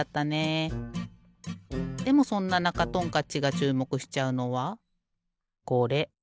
でもそんななかトンカッチがちゅうもくしちゃうのはこれ。